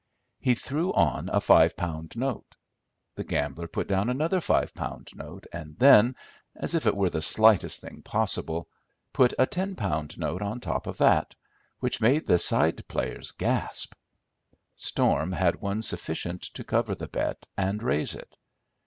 He threw on a five pound note. The gambler put down another five pound note, and then, as if it were the slightest thing possible, put a ten pound note on top of that, which made the side players gasp. Storm had won sufficient to cover the bet and raise it.